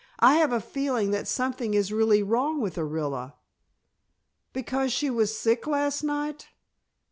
"I have a feeling that something is really wrong with Orilla." "Because she was sick last night?"